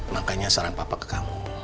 makanya saran papa ke kamu